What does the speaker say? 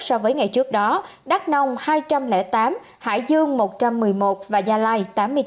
so với ngày trước đó đắk nông hai trăm linh tám hải dương một trăm một mươi một và gia lai tám mươi tám